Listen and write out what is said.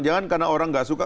jangan karena orang gak suka